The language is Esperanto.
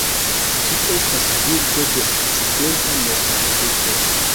Ĝi estas birdo de okcidenta Nordameriko.